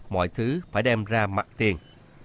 mọi thứ phải đem ra mặt tiền